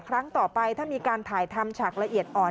ครั้งต่อไปถ้ามีการถ่ายทำฉากละเอียดอ่อน